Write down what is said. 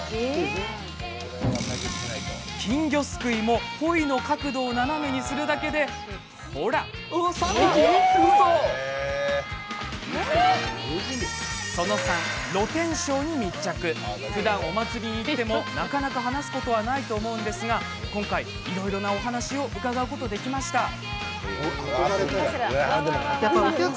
金魚すくいも、ポイの角度を斜めにするだけで、ほら。ふだんお祭りに行ってもなかなか話すことはないと思うんですが今回、いろいろなお話を伺うことができましたよ。